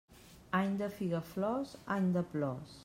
Any de figaflors, any de plors.